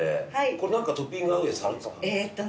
これ何かトッピング合うやつあるんですか？